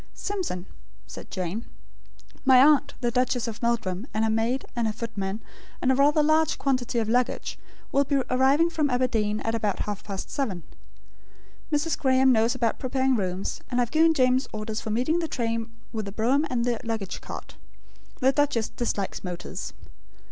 "Simpson," said Jane, "my aunt, the Duchess of Meldrum, and her maid, and her footman, and a rather large quantity of luggage, will be arriving from Aberdeen, at about half past seven. Mrs. Graem knows about preparing rooms; and I have given James orders for meeting the train with the brougham, and the luggage cart. The duchess dislikes motors.